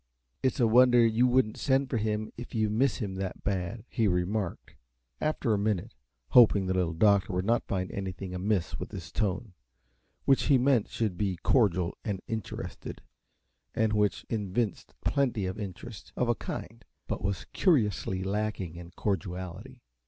"It's a wonder you wouldn't send for him if you miss him that bad," he remarked, after a minute, hoping the Little Doctor would not find anything amiss with his tone, which he meant should be cordial and interested and which evinced plenty of interest, of a kind, but was curiously lacking in cordiality.